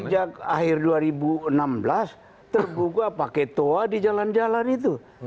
sejak akhir dua ribu enam belas tergugah pakai toa di jalan jalan itu